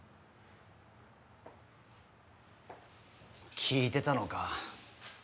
聞いてたのか。